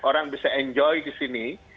orang bisa enjoy di sini